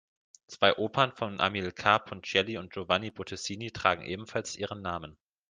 Zwei Opern vom Amilcare Ponchielli und Giovanni Bottesini tragen ebenfalls ihren Namen.